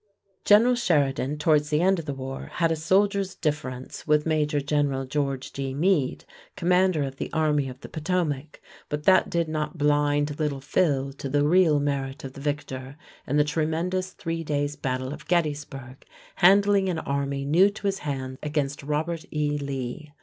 General Sheridan, towards the end of the war, had a soldier's difference with Major General George G. Meade, commander of the Army of the Potomac, but that did not blind "Little Phil" to the real merit of the victor in the tremendous three days' battle of Gettysburg, handling an army new to his hand against Robert E. Lee.